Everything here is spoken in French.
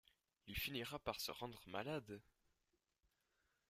Il finira par se rendre malade !…